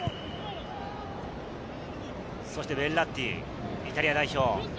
そしてベッラッティ、イタリア代表。